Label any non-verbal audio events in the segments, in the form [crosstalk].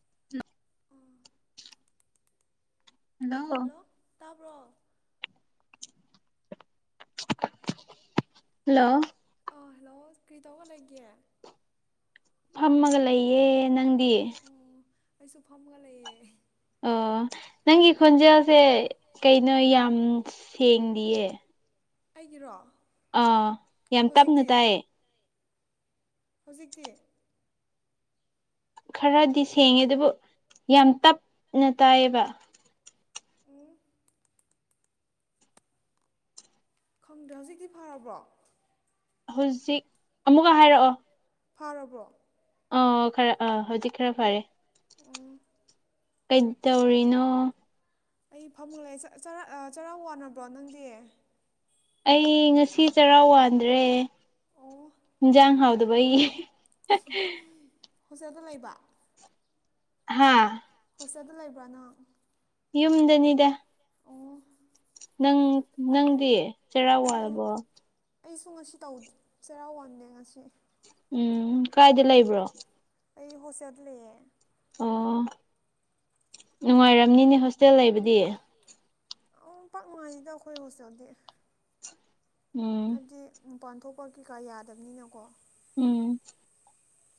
[inaudible] ꯑꯥ hello ꯇꯥꯕ꯭ꯔꯣ hello ꯑꯣ hello ꯀ꯭ꯔꯤ ꯇꯩꯕ ꯂꯩꯒꯦ ꯐꯝꯃꯒ ꯂꯩꯌꯦ ꯅꯪꯗꯤ ꯑꯩꯁꯨ ꯐꯝꯒ ꯂꯩꯌꯦ ꯑꯣ ꯅꯪꯒꯤ ꯈꯣꯟꯖꯦꯜꯁꯦ ꯀꯩꯅꯣ ꯌꯥꯝ ꯁꯦꯡꯗꯤꯌꯦ ꯑꯩꯒꯤꯔꯣ ꯑꯥ ꯌꯥꯝ ꯇꯞꯅ ꯍꯧꯖꯤꯛꯇꯤ ꯇꯥꯏꯌꯦ ꯍꯧꯖꯤꯛꯇꯤ ꯈꯔꯗꯤ ꯁꯦꯡꯉꯦ ꯑꯗꯨꯕꯨ ꯌꯥꯝ ꯇꯞꯅ ꯇꯥꯏꯌꯦꯕ ꯎꯝ ꯈꯪꯗꯦ ꯍꯧꯖꯤꯛꯇꯤ ꯐꯔꯕ꯭ꯔꯣ ꯍꯧꯖꯤꯛ ꯑꯃꯨꯛꯀ ꯍꯥꯏꯔꯛꯑꯣ ꯐꯥꯔꯕꯣ ꯑ ꯈꯔ ꯑꯥ ꯍꯧꯖꯤꯛ ꯈꯔ ꯐꯔꯦ ꯑꯣ ꯀꯩꯗꯧꯔꯤꯅꯣ ꯑꯩ ꯐꯝꯃꯂꯦ ꯆꯥ ꯆꯔꯥ ꯑꯥ ꯆꯔꯥ ꯋꯥꯅꯕ꯭ꯔꯣ ꯅꯪꯗꯤ ꯑꯩ ꯉꯁꯤ ꯆꯔꯥ ꯋꯥꯟꯗ꯭ꯔꯦ ꯑꯣ ꯏꯟꯖꯥꯡ ꯍꯥꯎꯗꯕ [unintelligible] ꯍꯣꯁꯇꯦꯜꯗ ꯂꯩꯕ ꯍꯥꯥ ꯍꯣꯁꯇꯦꯜꯗ ꯂꯩꯕ꯭ꯔꯥꯅ ꯌꯨꯝꯗꯅꯤꯗ ꯑꯣ ꯅꯪ ꯅꯪꯗꯤ ꯆꯩꯔꯥ ꯑꯩꯗꯤ ꯋꯥꯔꯕꯣ ꯑꯩꯁꯨ ꯉꯁꯤ ꯇꯧꯗ ꯆꯩꯔꯥꯎ ꯋꯥꯗꯦ ꯉꯁꯤ ꯎꯝ ꯀꯥꯏꯗ ꯂꯩꯕ꯭ꯔꯣ ꯑꯩ ꯍꯣꯁꯇꯦꯜꯗ ꯂꯩꯌꯦ ꯑꯣ ꯅꯨꯡꯉꯥꯏꯔꯝꯅꯤꯅꯦ ꯍꯣꯁꯇꯦꯜ ꯂꯩꯕꯗꯤ ꯑ ꯄꯥꯛ ꯃꯉꯥꯏꯅꯤꯗ ꯑꯩꯈꯣꯏ ꯍꯣꯁꯇꯦꯜꯗꯤ ꯎꯝ ꯍꯥꯏꯕꯗꯤꯄꯥꯟ ꯊꯣꯛꯄ ꯀꯩꯀꯥ ꯌꯥꯗꯕꯅꯤꯅꯀꯣ ꯎꯝ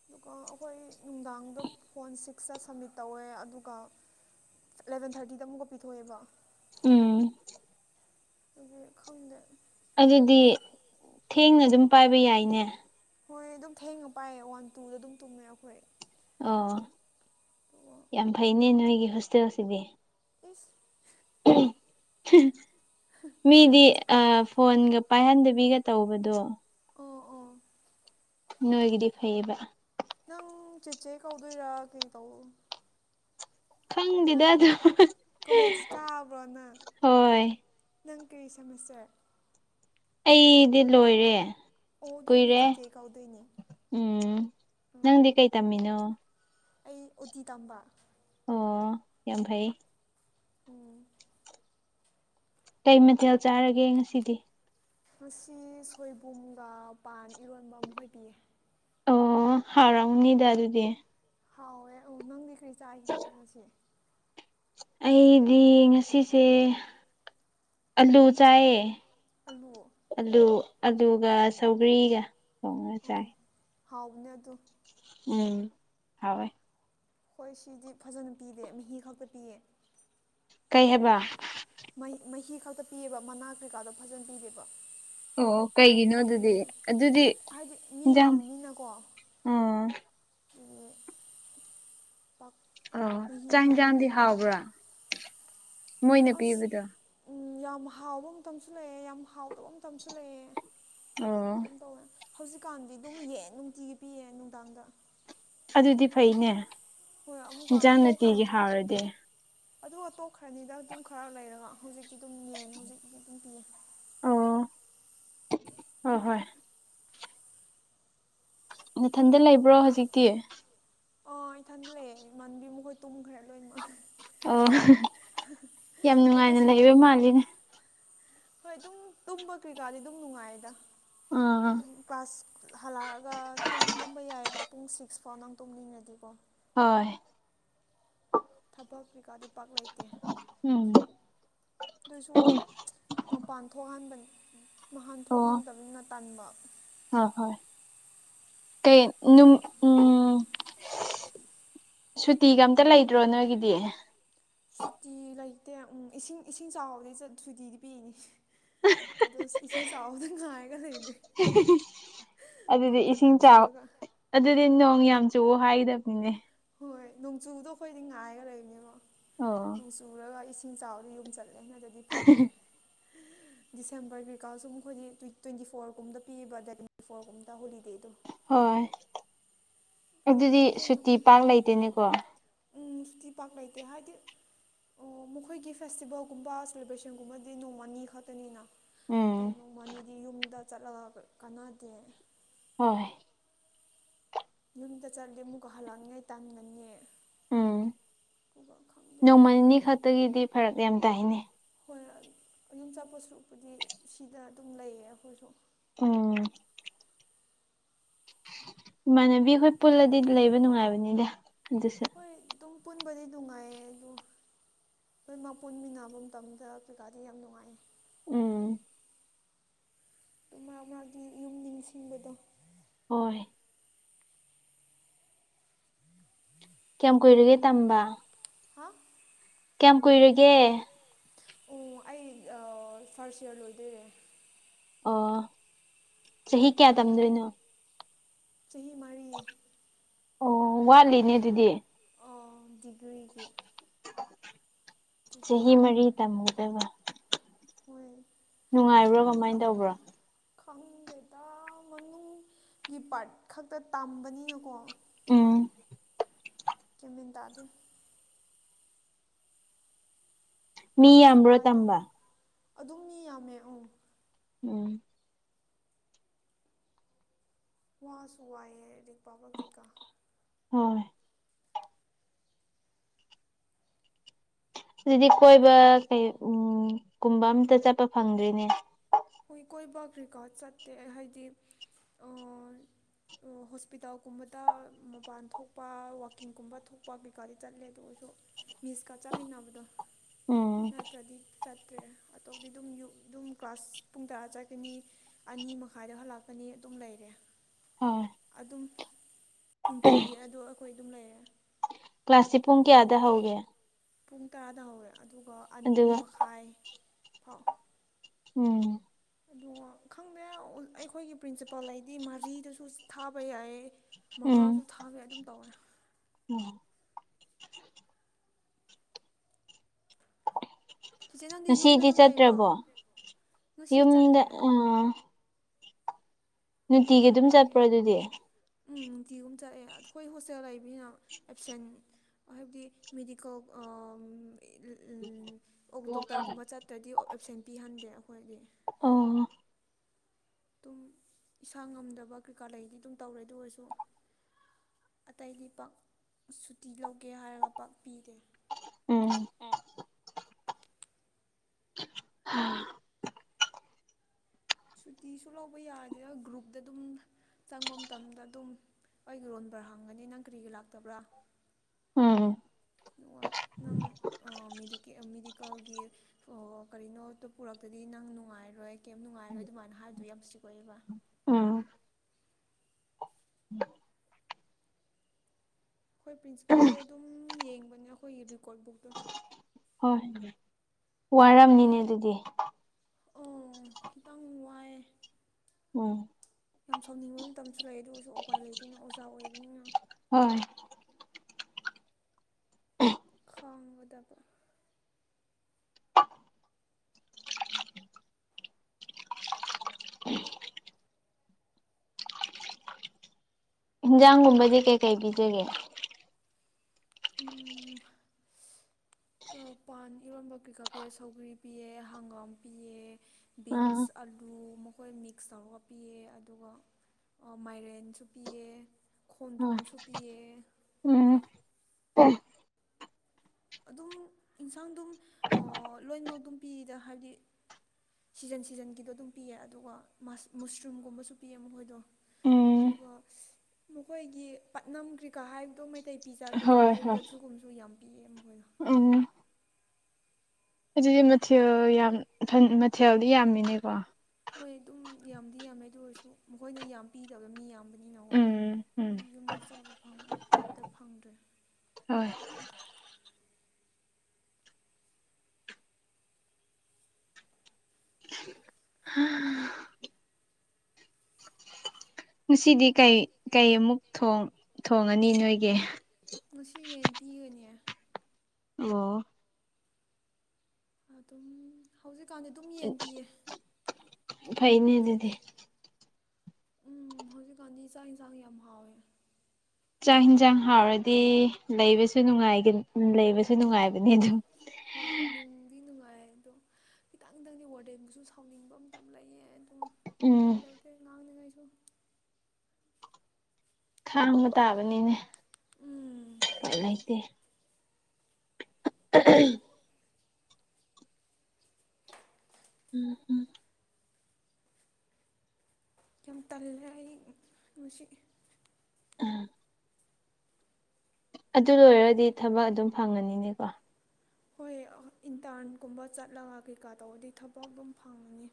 ꯑꯗꯨꯒ ꯑꯩꯈꯣꯏ ꯅꯨꯡꯗꯥꯡꯗꯣ ꯐꯣꯟ ꯁꯤꯛꯁꯇ ꯁꯝꯃꯤꯠ ꯇꯧꯋꯦ ꯑꯗꯨꯒ ꯑꯦꯂꯚꯦꯟ ꯊꯥꯔꯇꯤꯗ ꯑꯃꯨꯛꯀ ꯄꯤꯊꯣꯛꯑꯦꯕ ꯎꯝ ꯑꯗꯨ ꯈꯪꯗ ꯑꯗꯨꯗꯤ ꯊꯦꯡꯅ ꯑꯗꯨꯝ ꯄꯥꯏꯕ ꯌꯥꯏꯅꯦ ꯍꯣꯏ ꯑꯗꯨꯝ ꯊꯦꯡꯡꯅ ꯄꯥꯏꯌꯦ ꯋꯥꯟ ꯇꯨꯗ ꯑꯗꯨꯝ ꯇꯨꯝꯃꯦ ꯑꯩꯈꯣꯏ ꯑꯣ ꯑꯗꯨꯒ ꯌꯥꯝ ꯐꯩꯅꯦ ꯑꯣ ꯅꯣꯏꯒꯤ ꯍꯣꯁꯇꯦꯜꯁꯤꯗꯤ ꯏꯁ ꯃꯤꯗꯤ ꯑ ꯐꯣꯟꯣꯟꯒ ꯄꯥꯏꯍꯟꯗꯕꯤꯒ ꯇꯧꯕꯗꯣ ꯑꯣ ꯑꯣ ꯅꯣꯏꯒꯤꯗꯤ ꯐꯩꯌꯦꯕ ꯅꯪ ꯆꯤꯆꯦ ꯀꯧꯗꯣꯏꯔꯥ ꯀꯩ ꯇꯧ ꯈꯪꯗꯦꯗ ꯅꯪ ꯑꯗꯨ ꯀꯣꯂꯦꯖ ꯀꯥꯑꯕ꯭ꯔꯣ ꯅꯪ ꯍꯣꯏ ꯅꯪ ꯀꯔꯤ ꯁꯃꯁ꯭ꯌꯥꯔ ꯑꯩꯗꯤ ꯂꯣꯏꯔꯦ ꯑꯣ ꯑꯗꯨ ꯑꯣꯏꯔꯗꯤ ꯀꯨꯏꯔꯦ ꯆꯦꯆꯦ ꯀꯧꯗꯣꯏꯅꯦ ꯎꯝ ꯎꯝ ꯅꯪꯗꯤ ꯀꯩ ꯇꯝꯃꯤꯅꯣ ꯑꯩ ꯎꯇꯤ ꯇꯝꯕ ꯑꯣ ꯌꯥꯝ ꯐꯩ ꯎꯝ ꯀꯩ ꯃꯊꯦꯜ ꯆꯥꯔꯒꯦ ꯉꯁꯤꯗꯤ ꯉꯁꯤ ꯁꯣꯏꯕꯨꯝꯒ ꯄꯥꯟ ꯏꯔꯣꯟꯕ ꯑꯃꯈꯣꯏꯕꯤꯤꯌꯦ ꯍꯔꯥꯎꯅꯤꯗ ꯑꯗꯨꯗꯤ ꯍꯥꯎꯋꯦ ꯑꯣ ꯅꯪꯗꯤ ꯀꯔꯤ ꯆꯥꯈꯤꯒꯦ ꯉꯁꯤ ꯑꯩꯗꯤ ꯉꯁꯤꯁꯦ ꯑꯂꯨ ꯆꯥꯏꯌꯦ ꯍꯜꯂꯨ ꯑꯂꯨ ꯑꯂꯨꯒ ꯁꯧꯒꯔꯤꯒ ꯑꯣ ꯑꯣ ꯍꯥꯎꯕꯅꯦ ꯑꯣ ꯎꯝ ꯍꯦ ꯍꯣꯏ ꯁꯤꯗꯤ ꯐꯖꯅ ꯄꯤꯗꯦ ꯃꯍꯤ ꯈꯛꯇ ꯄꯤꯌꯦ ꯀꯩ ꯍꯥꯏꯕ ꯃꯍꯤ ꯃꯍꯤ ꯈꯛꯇ ꯄꯤꯑꯕ ꯃꯅꯥꯛ ꯀꯩꯀꯥꯗꯣ ꯐꯖꯅ ꯄꯤꯗꯦꯕ ꯑꯣ ꯀꯩꯒꯤꯅꯣ ꯑꯗꯨꯗꯤ ꯆꯧꯁꯤꯁꯦ ꯑꯗꯨꯗꯤ ꯍꯥꯏꯗꯤ ꯃꯤ ꯌꯥꯝꯅꯤꯅꯀꯣ ꯑꯣ ꯄꯥꯛ ꯑꯣ ꯃꯍꯤ ꯆꯥꯛ ꯈꯛꯇ ꯑꯗꯨꯝ ꯍꯟꯖꯥꯡꯗꯤ ꯄꯤꯕꯗꯣ ꯍꯥꯎꯕ꯭ꯔꯥ ꯃꯣꯏꯅ ꯑꯁ ꯄꯤꯕꯗꯣ ꯎ ꯌꯥꯝ ꯍꯥꯎꯕ ꯃꯇꯝꯁꯨ ꯂꯩꯑꯦ ꯌꯥꯝ ꯍꯥꯎꯗꯕ ꯃꯇꯝ ꯃꯇꯝꯁꯨ ꯂꯩꯌꯦꯦ ꯑꯣ ꯑꯗꯨꯝ ꯇꯧꯋꯦ ꯍꯧꯖꯤꯛꯀꯥꯟꯗꯤ ꯑꯗꯨꯝ ꯌꯦ ꯅꯨꯡꯇꯤꯒꯤ ꯄꯤꯌꯦꯦ ꯅꯨꯡꯗꯥꯡꯗ ꯑꯗꯨꯗꯤ ꯐꯩꯅꯦ ꯍꯣꯏ ꯑꯃꯨꯛꯀꯣ ꯏꯟꯖꯥꯡ ꯅꯨꯡꯇꯤꯒꯤ ꯇꯣꯛꯈꯅꯤ ꯍꯥꯎꯔꯗꯤ ꯑꯗꯨ ꯇꯣꯛꯞꯈ꯭ꯔꯅꯤꯗ ꯑꯗꯨꯝ ꯈꯔ ꯂꯩꯔꯒ ꯍꯧꯖꯤꯛꯇꯤ ꯑꯗꯨꯝ ꯌꯦꯡꯉꯦ ꯍꯧꯖꯤꯛꯇꯤ ꯑꯗꯨꯝ ꯄꯤꯌꯦ ꯍ ꯍꯣꯏ ꯃꯊꯟꯗ ꯂꯩꯕ꯭ꯔꯣ ꯍꯧꯖꯤꯛꯇꯤ ꯑ ꯏꯊꯟꯗꯂꯑꯦ ꯏꯃꯥꯟꯕꯤ ꯃꯈꯣꯏ ꯇꯨꯝꯈ꯭ꯔꯦ ꯂꯣꯏꯅꯃꯛ ꯑꯣ ꯌꯥꯝ ꯑꯩꯗꯣ ꯅꯨꯡꯉꯥꯏꯅ ꯁꯤ ꯂꯩꯕ ꯃꯥꯜꯂꯤꯅꯦ ꯍꯣꯏ ꯑꯗꯨꯝ ꯇꯨꯝꯕ ꯀ꯭ꯔꯤꯀꯥꯗꯤ ꯑꯗꯨꯝ ꯅꯨꯡꯉꯥꯏꯗ ꯑꯥ ꯨꯡ ꯀ꯭ꯂꯥꯁ ꯍꯜꯂꯛꯑꯒꯨꯝ ꯇꯨꯝꯕ ꯌꯥꯏꯑꯕ ꯄꯨꯡ ꯁꯤꯛꯁ ꯐꯥꯎ ꯅꯪ ꯇꯨꯝꯅꯤꯡꯉꯗꯤꯀꯣ ꯍꯣꯏ ꯊꯕꯛ ꯀꯩꯀꯥꯗꯤ ꯄꯥꯛ ꯂꯩꯇꯦ ꯎꯝ ꯑꯗꯨꯏꯁꯨ ꯃꯄꯥꯟ ꯊꯣꯛꯍꯕ ꯃꯍꯥꯟ ꯊꯣꯛꯍꯟꯗꯕꯅꯤꯅ ꯇꯟꯥꯟꯕ ꯍ ꯍꯣꯏ ꯀꯩ ꯅꯨ ꯎꯝ ꯁꯨꯇꯤꯒ ꯑꯝꯇ ꯂꯩꯗ꯭ꯔꯣ ꯅꯣꯏꯒꯤꯗꯤ ꯁꯨꯇꯤ ꯂꯩꯇꯦ ꯎ ꯏꯁꯤꯡ ꯏꯁꯤꯡ ꯆꯥꯎꯕꯗꯤ ꯁꯨꯇꯤꯗꯤ ꯄꯤꯅꯤ ꯑꯗ ꯏꯁ ꯆ ꯆꯥꯎꯑꯣꯗ ꯉꯥ ꯀ ꯂꯩ ꯑꯗꯨꯗꯤ ꯏꯁꯤꯡ ꯐꯖꯅ ꯆꯥꯎ ꯆꯨꯔꯒ ꯑꯗꯨꯗꯤ ꯅꯣꯡ ꯌꯥꯝ ꯆꯨꯎ ꯍꯥꯏꯒꯗꯕꯅꯤꯅꯦ ꯍꯣꯏ ꯅꯣꯡꯆꯨꯗꯣ ꯑꯩꯈꯣꯏꯗꯤ ꯉꯥꯏꯈꯗꯣꯏꯅꯦꯕꯣ ꯑꯣ ꯇꯨꯔꯒ ꯏꯁꯤꯡ ꯆꯥꯎꯕꯗ ꯌꯨꯝ ꯆꯠꯂꯦꯅ ꯑꯗꯨꯗꯤ ꯐꯪꯗ꯭ꯔꯦ ꯗꯤꯁꯦꯝꯕꯔ ꯀꯩꯀꯥ ꯁꯨꯝ ꯑꯩꯈꯣꯏꯗꯤ꯭ ꯇ꯭ꯋꯦꯟꯇꯤ ꯐꯣꯔꯒꯨꯝꯕ ꯄꯤꯕ ꯗꯦꯠ ꯇ꯭ꯋꯦꯟꯇꯤ ꯐꯣꯔꯒꯨꯝꯗ ꯍꯣꯂꯤꯗꯦꯗꯣ ꯍꯣꯏ ꯑꯗꯨꯗꯤ ꯊꯦꯡ ꯊꯦꯡꯅ ꯁꯨꯇꯤ ꯄꯤ ꯄꯥꯛꯔ ꯂꯩꯇꯦꯅꯤꯀꯣ ꯎꯝ ꯁꯨꯇꯤ ꯄꯥꯛ ꯂꯩꯇꯦ ꯍꯥꯏꯗꯤ ꯑꯣ ꯃꯈꯣꯏꯒꯤ ꯐꯦꯁꯇꯤꯕꯦꯜꯒꯨꯝꯕ ꯁꯦꯂꯦꯕ꯭ꯔꯦꯁꯟꯒꯨꯝꯕꯗꯤ ꯅꯣꯡꯃꯅꯤ ꯈꯛꯇꯅꯤꯅ ꯎꯝ ꯑ ꯅꯣꯡꯃꯅꯤꯗꯤ ꯌꯨꯝꯗ ꯆꯠꯂꯒ ꯀꯥꯟꯅꯗꯦ ꯍꯣꯏ ꯌꯨꯝꯗ ꯆꯠꯂꯤ ꯑꯃꯨꯛꯀ ꯍꯜꯂꯛꯉꯥꯏ ꯇꯥꯟꯒꯅꯤ ꯎꯝ ꯅꯣꯡꯃ ꯅꯤꯅꯤ ꯈꯛꯇꯒꯤꯗꯤ ꯐꯔꯛ ꯌꯥꯝ ꯇꯥꯏꯅꯦ ꯍꯣꯏ ꯌꯨꯝꯆꯥꯄꯣꯠ ꯁꯔꯨꯛꯄꯨꯗꯤ ꯁꯤꯗ ꯑꯗꯨꯝ ꯂꯩꯌꯦ ꯑꯩꯈꯣꯏꯁꯨ ꯎꯝ ꯏꯃꯥꯟꯅꯕꯤ ꯑꯩꯈꯣꯏ ꯄꯨꯜꯂꯗꯤ ꯂꯩꯕ ꯅꯨꯡꯉꯥꯏꯕꯅꯤꯗ ꯑꯗꯨꯁꯨꯦ ꯍꯣꯏ ꯑꯗꯨꯝ ꯄꯨꯟꯕꯗꯤ ꯅꯨꯡꯉꯥꯏꯌꯦ ꯑꯗꯣ ꯂꯣꯏꯅꯃꯛ ꯄꯨꯟꯃꯤꯟꯅꯕ ꯃꯇꯝꯗ ꯀꯩꯀꯥꯗꯤ ꯌꯥꯝ ꯅꯨꯡꯉꯥꯌꯦ ꯎꯝ ꯏꯃ ꯃꯥꯒꯤ ꯌꯨꯝ ꯅꯤꯡꯁꯤꯡꯕꯗꯣ ꯍꯣꯏ ꯀꯌꯥꯝ ꯀꯨꯏꯔꯒꯦ ꯇꯝꯕꯥ ꯍꯥ ꯀꯌꯥꯝ ꯀꯨꯏꯔꯒꯦ ꯑꯣ ꯑꯩ ꯐꯥꯔꯁ ꯏꯔ ꯂꯣꯏꯗꯣꯏꯔꯦ ꯑꯣ ꯆꯍꯤ ꯀꯌꯥ ꯇꯝꯗꯣꯏꯅꯣ ꯆꯍꯤ ꯃꯔꯤ ꯑꯣ ꯋꯥꯠꯂꯤꯅꯦ ꯑꯗꯨꯗꯤ ꯑꯣ ꯗꯤꯒ꯭ꯔꯤꯒꯤ ꯑꯗꯨꯒꯤ ꯆꯍꯤ ꯃꯔꯤ ꯇꯝꯃꯨꯗꯕ ꯃꯣꯏ ꯅꯨꯡꯉꯥꯏꯕ꯭ꯔꯣ ꯈꯪ ꯀꯃꯥꯏ ꯇꯧꯕ꯭ꯔꯣ ꯈꯪꯗꯦꯗ ꯃꯅꯨꯡꯒꯤ ꯄꯥꯠ ꯈꯛꯇ ꯇꯝꯕꯅꯤꯅꯀꯣ ꯎꯝ ꯀꯦꯃꯤ ꯇꯗꯦ ꯃꯤ ꯋꯥꯁꯨ ꯌꯥꯝꯕ꯭ꯔꯣ ꯋꯥꯏꯗ ꯇꯝꯕ ꯑꯗꯨꯝ ꯃꯤ ꯌꯥꯝꯃꯦ ꯑꯪ ꯎꯝ ꯋꯥꯁꯨ ꯋꯥꯏꯑꯦ ꯔꯤꯛ ꯄꯥꯕ ꯍꯧꯖꯤꯛ ꯀꯜ ꯍꯣꯏ ꯑꯗꯨꯗꯤ ꯀꯣꯏꯕ ꯀꯩ ꯀꯨꯝꯕ ꯑꯝꯇ ꯆꯠꯄ ꯐꯪꯗ꯭ꯔꯦꯅꯦ ꯍꯣꯏ ꯀꯣꯏꯕ ꯀꯤꯔꯤꯀꯥꯔ ꯆꯠꯇꯦ ꯑꯩ ꯍꯥꯏꯗꯤ ꯑꯥ ꯍꯣꯁꯄꯤꯇꯥꯜꯒꯨꯝꯕꯗ ꯃꯄꯥꯜ ꯊꯣꯛꯄ ꯋꯀꯤꯡꯀꯨꯝꯕ ꯊꯣꯛꯄ ꯀꯩꯀꯥꯗꯤ ꯆꯠꯂꯦ ꯑꯗꯨ ꯑꯣꯏꯁꯨ ꯃꯤꯁꯀ ꯆꯥꯃꯤꯟꯅꯕꯗꯣ ꯎꯝ ꯅꯠꯇ꯭ꯔꯗꯤ ꯆꯠꯇ꯭ꯔꯦ ꯑꯇꯣꯞꯗꯤ ꯑꯗꯨꯝ ꯌꯨꯝ ꯑꯗꯨꯝ ꯀ꯭ꯂꯥꯁ ꯄꯨꯡ ꯇꯔꯥ ꯆꯠꯀꯅꯤ ꯑꯅꯤ ꯃꯈꯥꯏꯗ ꯍꯜꯂꯛꯀꯅꯤ ꯑꯗꯨꯝ ꯂꯩꯔꯦ ꯍꯥ ꯑꯗꯨꯝ ꯅꯨꯡꯇꯤꯒꯤ ꯑꯗꯨ ꯑꯩꯈꯣꯏ ꯑꯗꯨꯝ ꯂꯩꯔꯦ ꯀ꯭ꯂꯥꯁꯇꯤ ꯄꯨꯡ ꯀꯌꯥꯗ ꯍꯧꯒꯦ ꯄꯨꯡ ꯇꯔꯥꯗ ꯍꯧꯋꯦ ꯑꯗꯨꯒ ꯑꯅꯤ ꯑꯗꯨꯒ ꯃꯈꯥꯏ ꯐꯥꯎ ꯎꯝ ꯑꯗꯨ ꯈꯪꯗꯦ ꯑꯩꯈꯣꯏꯒꯤ ꯄ꯭ꯔꯤꯟꯁꯤꯄꯥꯜ ꯍꯥꯏꯗꯤ ꯃꯔꯤꯗꯁꯨ ꯊꯥꯕ ꯌꯥꯌꯦ ꯃꯉꯥꯁꯨ ꯊꯥꯕ ꯌꯥꯏ ꯑꯗꯨꯝ ꯇꯧꯋꯦ ꯎꯝ ꯆꯤꯆꯦ ꯅꯪꯗꯤ ꯌꯨꯝꯗ ꯉꯁꯤꯗꯤ ꯑꯗꯨꯝ ꯂꯩꯕ꯭ꯔꯣ ꯆꯠꯇ꯭ꯔꯕꯣ ꯉꯁꯤ ꯌꯨꯝꯗ ꯆꯠꯂꯦ ꯑꯥ ꯑꯗꯨꯝ ꯍꯟꯂꯛꯑꯦ ꯆꯠꯄ꯭ꯔꯣ ꯑꯗꯨꯗꯤ ꯎꯝ ꯅꯨꯡꯇꯤꯒꯤ ꯍꯨꯝ ꯆꯠꯑꯦ ꯑꯩꯈꯣꯏ ꯍꯣꯁꯇꯦꯜ ꯂꯩꯕꯅꯤꯅ ꯑꯦꯞꯁꯦꯟ ꯍꯥꯏꯕꯗꯤ ꯃꯦꯗꯤꯀꯦꯜ ꯑꯥ ꯑꯧ ꯗꯣꯛꯇꯔꯒꯨꯝꯕ ꯆꯠꯇ꯭ꯔꯗꯤ ꯑꯦꯞꯁꯦꯟ ꯄꯤꯍꯟꯗꯦ ꯑꯩꯈꯣꯏꯗꯤ ꯑꯣ ꯑꯗꯨꯝ ꯏꯁꯥ ꯉꯝꯗꯕ ꯀꯩꯀꯥ ꯂꯩꯔꯗꯤ ꯑꯗꯨꯝ ꯇꯧꯔꯦ ꯑꯗꯨ ꯑꯣꯏꯔꯁꯨ ꯑꯇꯩꯗꯤ ꯄꯥꯛ ꯁꯨꯇꯤ ꯂꯧꯒꯦ ꯍꯥꯏꯔꯒ ꯄꯥꯛ ꯄꯤꯗꯦ ꯎꯝ ꯁꯨꯇꯤꯁꯨ ꯂꯧꯕ ꯌꯥꯗꯅ ꯒꯔꯨꯞꯇ ꯑꯗꯨꯝ ꯆꯪꯕ ꯃꯇꯝꯗꯥ ꯑꯗꯨꯝ ꯑꯩꯒꯤ ꯔꯣꯟ ꯕꯔ ꯍꯥꯡꯉꯥꯅꯤ ꯅꯪ ꯀꯔꯤꯒꯤ ꯂꯥꯛꯇꯕ꯭ꯔꯥ ꯎꯝ ꯅꯪ ꯑꯥ ꯃꯦꯗꯤ ꯃꯦꯗꯤꯀꯦꯜꯒꯤ ꯑꯣ ꯀꯔꯤꯅꯣ ꯗꯨ ꯄꯨꯔꯛꯇꯗꯤ ꯅꯪ ꯅꯨꯡꯉꯥꯏꯔꯣꯏ ꯀꯔꯤꯝ ꯅꯨꯡꯉꯥꯏꯔꯣꯏ ꯑꯗꯨꯃꯥꯏꯅ ꯍꯥꯏꯔꯤꯗꯣ ꯌꯥꯝ ꯏꯁꯇꯤꯛ ꯑꯣꯏꯌꯦꯕ ꯎꯝ ꯍ [unintelligible] ꯍꯣꯏ ꯄ꯭ꯔꯤꯟꯁꯤꯄꯥꯜꯗꯣ ꯑꯗꯨꯝ ꯌꯦꯡꯕꯅꯦ ꯑꯩꯈꯣꯏꯒꯤ ꯔꯦꯀꯣꯔꯠ ꯕꯨꯛꯇꯣ꯫ ꯍꯣꯏ ꯋꯥꯔꯝꯅꯤꯅꯦ ꯑꯗꯨꯗꯤ꯫ ꯑꯣ ꯈꯤꯇꯪ ꯋꯥꯏ ꯎꯝ ꯌꯥꯝ ꯁꯥꯎꯅꯤꯡꯕ ꯃꯇꯝꯁꯨ ꯂꯩ ꯑꯗꯨ ꯑꯣꯏꯁꯨ ꯎꯄꯥꯏ ꯂꯩꯇꯦꯅ ꯑꯣꯖꯥ ꯑꯣꯏꯕꯅꯤꯅ ꯍꯣꯏ ꯑ ꯈꯪꯉꯨꯗꯕ ꯏꯟꯖꯥꯡꯒꯨꯝꯕꯗꯤ ꯀꯩꯀꯩ ꯄꯤꯖꯒꯦ ꯎꯝ ꯄꯥꯟ ꯏꯔꯣꯟꯕ ꯀꯩꯀꯥ ꯄꯤꯑꯦ ꯁꯧꯒ꯭ꯔꯤ ꯄꯤꯑꯦ ꯍꯪꯒꯥꯝ ꯄꯤꯑꯦ ꯑꯥ ꯕꯤꯟꯁ ꯑꯂꯨ ꯃꯈꯣꯏ ꯃꯤꯛꯁ ꯇꯧꯔꯒ ꯄꯤꯌꯦ ꯑꯗꯨꯒ ꯃꯥꯏꯔꯦꯟꯁꯨ ꯄꯤꯌꯦ ꯍꯣꯏ ꯈꯣꯡꯗꯣꯝꯁꯨ ꯄꯤꯌꯦ ꯎꯝ ꯑꯗꯨꯝ ꯏꯟꯁꯥꯡ ꯑꯗꯨꯝ ꯑꯥ ꯂꯣꯏꯅꯃꯛ ꯑꯗꯨꯝ ꯄꯤꯌꯦꯗ ꯍꯥꯏꯕꯗꯤ ꯁꯤꯖꯟ ꯁꯤꯖꯟꯒꯤꯗꯣ ꯑꯗꯨꯝ ꯄꯤꯌꯦ ꯑꯗꯨꯒ ꯃꯨꯁꯔꯨꯝꯒꯨꯝꯕꯁꯨ ꯄꯤꯌꯦ ꯃꯈꯣꯏꯗꯣ꯫ ꯎꯝ ꯑꯗꯨꯒ ꯃꯈꯣꯏꯒꯤ ꯄꯠꯅꯝ ꯀ꯭ꯔꯤꯀꯥ ꯍꯥꯏꯕꯗꯣ ꯃꯩꯇꯩ꯫ ꯄꯤꯖꯥ ꯀꯩꯀꯥ ꯍꯣꯏ ꯍꯥꯏꯕꯗꯣ ꯑꯗꯨꯒꯒꯨꯝꯕꯁꯨ ꯌꯥꯝ ꯄꯤꯌꯦ ꯑꯃꯨꯛ ꯑꯣ ꯑꯗꯨꯗꯤ ꯃꯊꯦꯜ ꯌꯥꯝ ꯃꯊꯦꯜꯗꯤ ꯌꯥꯝꯃꯤꯅꯦꯀꯣ ꯍꯣꯏ ꯑꯗꯨꯝ ꯌꯥꯝꯗꯤ ꯌꯥꯝꯃꯦ ꯑꯗꯨ ꯑꯣꯏꯔꯁꯨ ꯃꯈꯣꯏꯅ ꯌꯥꯝ ꯄꯤꯗꯕꯗ ꯃꯤ ꯌꯥꯝꯕ ꯅꯀꯣ ꯎꯝ ꯎꯝ ꯌꯨꯝꯗ ꯆꯥꯕ ꯇꯥꯏꯞꯇ ꯐꯪꯗ꯭ꯔꯦ ꯍꯣꯏ ꯍꯥ [inaudible] ꯉꯁꯤꯗꯤ ꯀꯩ ꯀꯩ ꯑꯃꯨꯛ ꯊꯣꯡꯉꯅꯤ ꯅꯣꯏꯒꯤ ꯉꯁꯤ ꯌꯦꯟ ꯄꯤꯒꯅꯦ ꯑꯣ ꯑꯗꯨꯝ ꯍꯧꯖꯤꯛꯀꯥꯟꯗꯤ ꯑꯗꯨꯝ ꯌꯦꯟ ꯄꯤꯌꯦ ꯐꯩꯅꯦ ꯑꯗꯨꯗꯤ ꯅꯨꯡꯇꯤꯒꯤ ꯎꯝ ꯍꯧꯖꯤꯛꯀꯥꯟꯗꯤ ꯆꯥꯛ ꯏꯟꯁꯥꯡ ꯌꯥꯝ ꯍꯥꯎꯋꯦ ꯆꯥꯛ ꯌꯦꯟꯁꯥꯡ ꯍꯥꯎꯔꯗꯤ ꯂꯩꯕꯁꯨ ꯅꯨꯡꯉꯥꯏ ꯂꯩꯕꯁꯨ ꯅꯨꯡꯉꯥꯏꯕꯅꯤ ꯑꯗꯨꯝ ꯍꯣꯏ ꯅꯨꯡꯗꯤ ꯅꯨꯡꯉꯥꯏ ꯑꯗꯣ ꯈꯤꯇꯪ ꯈꯤꯇꯪꯗꯤ ꯋꯥꯔꯗꯦꯟꯕꯨꯁꯨ ꯁꯥꯎꯅꯤꯡꯕ ꯑꯃꯇ ꯂꯩꯌꯦ ꯎꯝ ꯎꯄꯥꯏ ꯂꯩꯇꯦ ꯉꯥꯡꯅꯤ ꯉꯥꯏꯁꯨ ꯈꯥꯡꯕ ꯇꯥꯕꯅꯤꯅꯦ ꯎꯝ ꯎꯄꯥꯏ ꯂꯩꯇꯦ [unintelligible] ꯎꯝ ꯎꯝ꯫ ꯌꯥꯝ ꯇꯜꯂꯦ ꯑꯩ ꯉꯁꯤ꯫ ꯎꯝ ꯑꯗꯨ ꯂꯣꯏꯔꯗꯤ ꯊꯕꯛ ꯑꯗꯨꯝ ꯐꯪꯉꯅꯤꯅꯦꯀꯣ ꯍꯣꯏ ꯏꯟꯇꯔꯟꯒꯨꯝꯕ ꯆꯠꯂꯒ ꯀꯩꯀꯥ ꯇꯧꯕꯗꯤ ꯊꯕꯛ ꯑꯗꯨꯝ ꯐꯪꯉꯅꯤ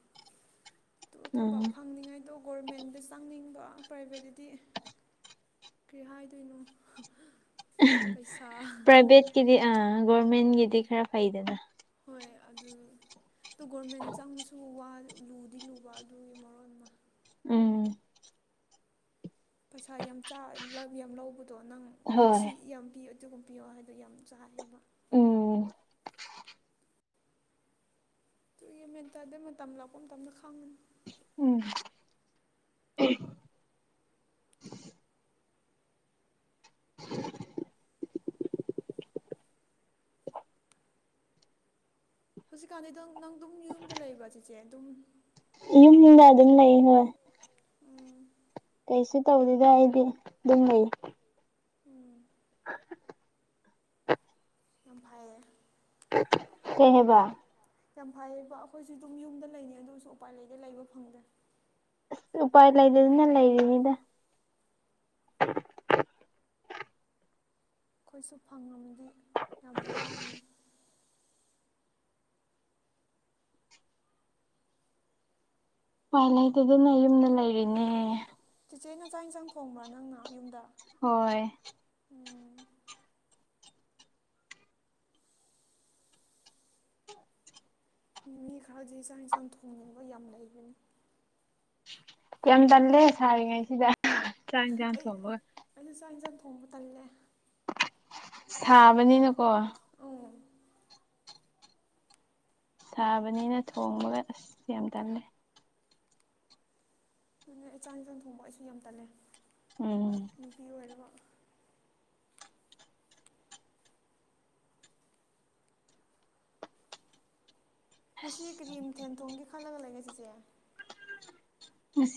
ꯑꯗꯨꯣ ꯊꯕꯛ ꯎꯝ ꯐꯪꯅꯤꯡꯉꯥꯏꯗꯣ ꯒꯣꯔꯃꯦꯟꯗ ꯆꯪꯅꯤꯡꯕ ꯄ꯭ꯔꯥꯏꯚꯦꯠꯇꯗꯤ ꯀꯔꯤ ꯍꯥꯏꯗꯣꯏꯅꯣ ꯄꯩꯁꯥ ꯄ꯭ꯔꯥꯏꯚꯦꯠꯀꯤꯗꯤ ꯑꯥ ꯒꯣꯔꯃꯦꯟꯒꯤꯗꯤ ꯈꯔ ꯐꯩꯗꯅ ꯍꯣꯏ ꯑꯗꯨ ꯇꯣ ꯒꯣꯔꯃꯦꯟ ꯆꯪꯕꯁꯨ ꯋꯥ ꯂꯨꯗꯤ ꯂꯨꯕ ꯑꯗꯨꯒꯤ ꯃꯔꯣꯟ ꯑꯃ ꯎꯝ ꯄꯩꯁꯥ ꯌꯥꯝ ꯆꯥ ꯌꯥꯝ ꯂꯧꯕꯗꯣ ꯅꯪ ꯍꯣꯏ ꯁꯤ ꯌꯥꯝ ꯄꯤ ꯑꯗꯨꯒꯨꯝ ꯄꯤꯌꯣ ꯍꯥꯏꯗꯣ ꯌꯥꯝ ꯆꯥꯏꯑꯦꯕ꯫ ꯎꯝ꯫ ꯑꯗꯨ [unintelligible] ꯃꯦꯟꯇꯥꯗꯦ ꯃꯇꯝ ꯂꯥꯛꯄ ꯃꯇꯝꯗ ꯈꯪꯉꯅꯤ꯫ ꯎꯝ [inaudible] ꯍꯧꯖꯤꯛꯀꯥꯟꯗꯤ ꯑꯗꯨꯝ ꯅꯪ ꯑꯗꯨꯝ ꯌꯨꯝꯗ ꯂꯩꯕ ꯆꯤꯆꯦ ꯑꯗꯨꯝ ꯌꯨꯝꯗ ꯑꯗꯨꯝ ꯂꯩ ꯍꯣꯏ ꯎꯝ ꯀꯩꯁꯨ ꯇꯧꯗꯦꯗ ꯑꯩꯗꯤ ꯑꯗꯨꯝ ꯂꯩꯌꯦ ꯎꯝ [inaudible] ꯌꯥꯝ ꯐꯩꯌꯦ ꯀꯦꯍꯕ ꯌꯥꯝ ꯐꯩꯌꯦꯕ ꯑꯩꯈꯣꯏꯁꯨ ꯑꯗꯨꯝ ꯌꯨꯝꯗ ꯂꯩꯅꯤ ꯑꯗꯨꯁꯨ ꯎꯄꯥꯏ ꯂꯩꯗꯤ ꯂꯩꯕ ꯐꯪꯗ꯭ꯔꯦ ꯎꯄꯥꯏ ꯂꯩꯗꯗꯅ ꯂꯩꯔꯤꯅꯤꯗ ꯑꯩꯈꯣꯏꯁꯨ ꯐꯪꯉꯕꯗꯤ ꯌꯥꯝ ꯍꯔꯥꯎꯅꯤ꯫ ꯎꯄꯥꯏ ꯂꯩꯇꯗꯅ ꯌꯨꯝꯗ ꯂꯩꯔꯤꯅꯦ꯫ ꯆꯤꯆꯦ ꯅ ꯆꯥꯛ ꯏꯟꯁꯥꯡ ꯊꯣꯡꯕ꯭ꯔꯥ ꯅꯪꯅ ꯌꯨꯝꯗ꯫ ꯍꯣꯏ ꯎꯝ ꯃꯤ ꯈꯔꯗꯤ ꯆꯥꯛ ꯏꯟꯁꯥꯡ ꯊꯣꯡꯅꯤꯡꯕ ꯌꯥꯝ ꯂꯩꯕꯅꯤ ꯌꯥꯝ ꯇꯜꯂꯦ ꯁꯥꯔꯤ ꯉꯩꯁꯤꯗ ꯆꯥꯛ ꯏꯟꯁꯥꯡ ꯑꯩ ꯊꯣꯡꯕꯒ ꯑꯩꯁꯨ ꯆꯥꯛ ꯌꯦꯟꯖꯥꯡ ꯊꯣꯡꯕ ꯇꯜꯂꯦ ꯁꯥꯕꯅꯤꯅꯀꯣ ꯑ ꯁꯥꯕꯅꯤꯅ ꯊꯣꯡꯕꯒ ꯑꯁ ꯌꯥꯝ ꯇꯜꯂꯦ ꯑꯗꯨꯅ ꯏꯆꯥꯡ ꯏꯟꯁꯥꯡ ꯊꯣꯡꯕ ꯑꯩꯁꯨ ꯌꯥꯝ ꯇꯜꯂꯦ ꯎꯝ ꯅꯨꯄꯤ ꯑꯣꯏꯔꯕ ꯃꯁꯤ ꯀꯔꯤꯝꯊꯦꯟꯊꯣꯡꯒꯤ ꯈꯥꯟꯅ ꯉ ꯂꯩ ꯀꯥꯏꯁꯤꯦꯁꯦ